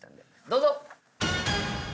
どうぞ。